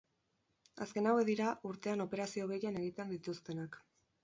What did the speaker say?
Azken hauek dira urtean operazio gehien egiten dituztenak.